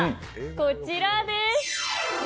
こちらです。